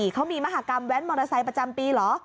เขามีมหากรรมแว้นมอเตอร์ไซค์ประจำปีเหรอ